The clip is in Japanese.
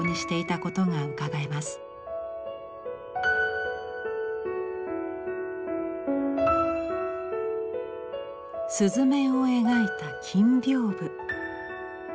すずめを描いた金屏風。